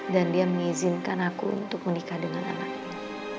dan dia mengizinkan aku untuk menikah dengan anaknya